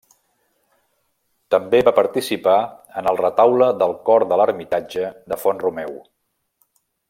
També va participar en el retaule del cor de l'ermitatge de Font-romeu.